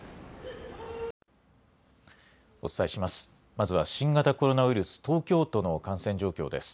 まずは新型コロナウイルス、東京都の感染状況です。